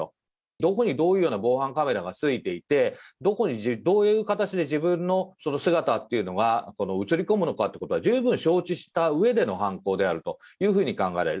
どこにどういうような防犯カメラがついていて、どこにどういう形で自分のその姿っていうのが映り込むのかっていうのは十分承知したうえでの犯行であるというふうに考えられる。